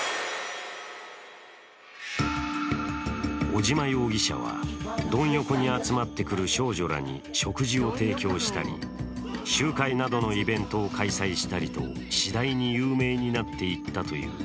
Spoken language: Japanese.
尾島容疑者は、ドン横に集まってくる少女らに食事を提供したり、集会などのイベントを開催したりと次第に有名になっていったという。